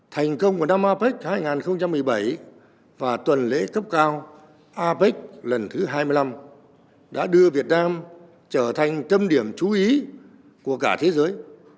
thành công của năm apec hai nghìn một mươi bảy và tuần lễ cấp cao apec lần thứ hai mươi năm đã đưa việt nam trở thành tâm điểm chú ý của cả thế giới